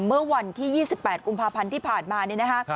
เมื่อวันที่๒๘กุมภาพันธ์ที่ผ่านมานี่นะคะ